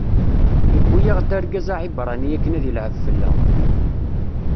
iwwi-yaɣ-d argaz Aɛibṛani akken ad ilɛeb fell-aɣ.